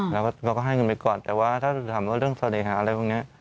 เราก็ให้เงินไปก่อนแต่ว่าถ้าถามว่าเรื่องเสน่หาอะไรพวกนี้